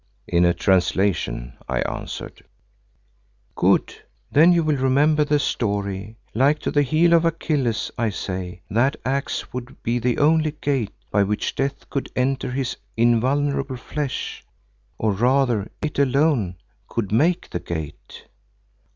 "In a translation," I answered. "Good, then you will remember the story. Like to the heel of Achilles, I say, that axe would be the only gate by which death could enter his invulnerable flesh, or rather it alone could make the gate."